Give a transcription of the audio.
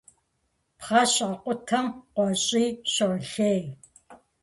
Пхъэ щакъутэм къуэщӀий щолъей.